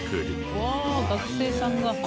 うわ学生さんが。